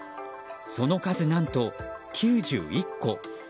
その数、何と９１個。